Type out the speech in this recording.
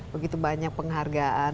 begitu banyak penghargaan